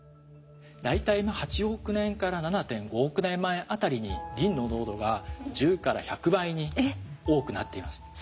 大体８億年から７．５億年前辺りにリンの濃度が１０から１００倍に多くなっています。